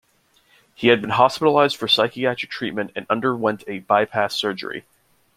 He had been hospitalized for psychiatric treatment and underwent a bypass surgery.